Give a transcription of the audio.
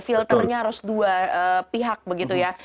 filternya harus dua pihak begitu ya